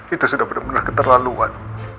itu sudah benar benar keterlaluan